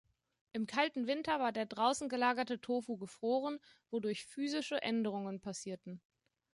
Im kalten Winter war der draußen gelagerte Tofu gefroren, wodurch physische Änderungen passierten.